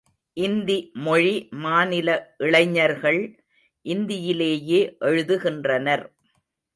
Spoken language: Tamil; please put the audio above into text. இந்தி மொழி மாநில இளைஞர்கள் இந்தியிலேயே எழுதுகின்றனர்.